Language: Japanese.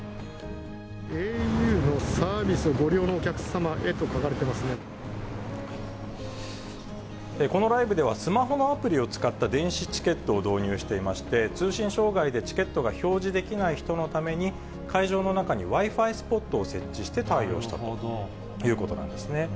ａｕのサービスをご利用のおこのライブでは、スマホのアプリを使った電子チケットを導入していまして、通信障害でチケットが表示できない人のために、会場の中にＷｉ−Ｆｉスポットを設置して対応したということなん